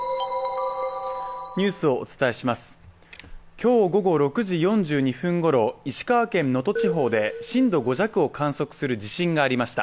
今日午後６時４２分ごろ、石川県能登地方で震度５弱を観測する地震がありました。